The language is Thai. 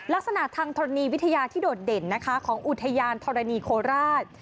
ลักษณะทางธรณีวิทยาที่โดดเด่นนะคะของอุทยานธรณีโคราช